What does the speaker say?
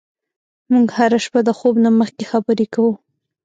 موږ هره شپه د خوب نه مخکې خبرې کوو.